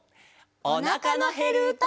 「おなかのへるうた」。